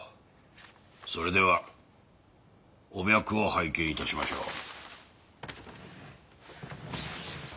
それではお脈を拝見致しましょう。